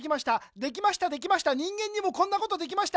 できましたできました人間にもこんなことできました。